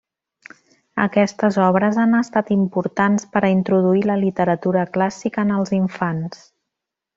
Aquestes obres han estat importants per a introduir la literatura clàssica en els infants.